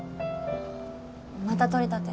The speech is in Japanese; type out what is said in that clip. また取り立て？